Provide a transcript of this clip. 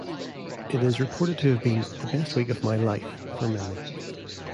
It is reported to have been "the best week of my life" for many.